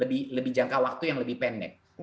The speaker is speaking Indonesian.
jadi ini tugas yang lebih jangka waktu yang lebih pendek